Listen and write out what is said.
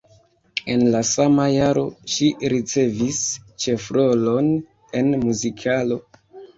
En la sama jaro ŝi ricevis ĉefrolon en muzikalo.